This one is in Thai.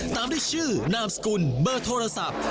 ตามด้วยชื่อนามสกุลเบอร์โทรศัพท์